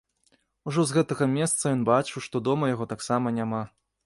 Ужо з гэтага месца ён бачыў, што дома яго таксама няма.